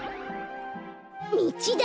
みちだ！